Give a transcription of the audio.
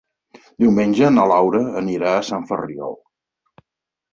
Diumenge na Laura anirà a Sant Ferriol.